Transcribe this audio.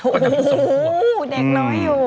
โอ้โหเด็กน้อยอยู่